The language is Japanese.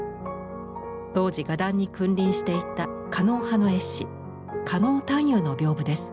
当時画壇に君臨していた狩野派の絵師・狩野探幽の屏風です。